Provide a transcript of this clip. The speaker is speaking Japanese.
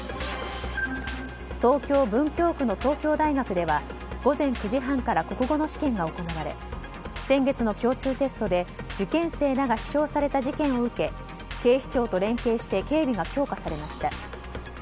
東京・文京区の東京大学では午前９時半から国語の試験が行われ先月の共通テストで受験生らが刺傷された事件を受け警視庁と連携して警備が強化されました。